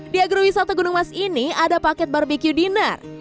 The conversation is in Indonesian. di agro wisata gunung mas ini ada paket barbeque dinner